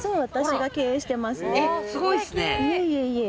いえいえいえ。